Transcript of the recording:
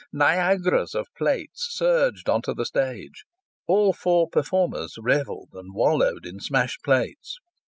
Niagaras of plates surged on to the stage. All four performers revelled and wallowed in smashed plates.